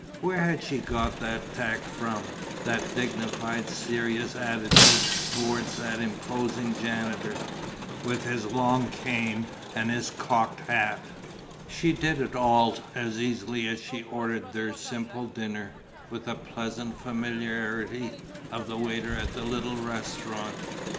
Where had she got that tact from, that dignified, serious attitude towards that imposing janitor, with his long cane and his cocked hat? She did it all as easily as she ordered their simple dinner, with a pleasant familiarity, of the waiter at their little restaurant.